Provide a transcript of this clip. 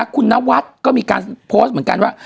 คุณนวัดก็มีการโพสต์เหมือนกันว่า